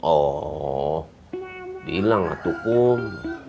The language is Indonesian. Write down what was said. oh bilanglah tukum